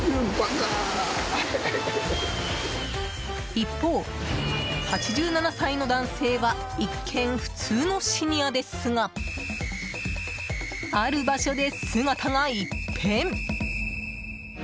一方、８７歳の男性は一見、普通のシニアですがある場所で姿が一変！